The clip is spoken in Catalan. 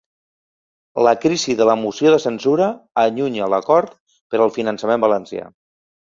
La crisi de la moció de censura allunya l’acord per al finançament valencià.